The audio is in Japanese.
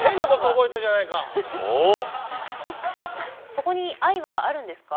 そこに愛はあるんですか？